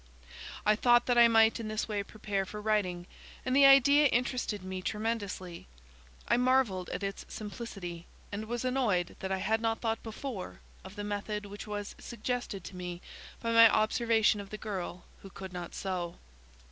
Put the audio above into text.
I thought that I might in this way prepare for writing, and the idea interested me tremendously. I marvelled at its simplicity, and was annoyed that I had not thought before of the method which was suggested to me by my observation of the girl who could not sew.